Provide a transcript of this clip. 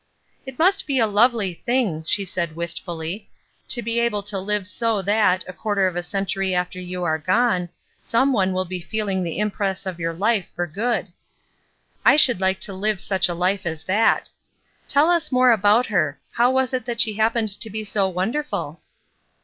"It must be a lovely thing," she said wist fully, "to be able to live so that, a quarter of a century after you are gone, some one will be feeling the impress of your life for good. I should like to hve such a life as that. Tell us more about her. How was it that she happened to be so wonderful?"